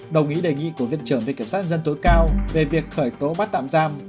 đồng ý đề nghị của viện trưởng về kiểm soát dân tối cao về việc khởi tố bắt tạm giam